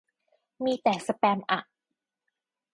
มีแต่สแปมอ่ะ